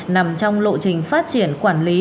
nằm trong lộ trình phát triển quản lý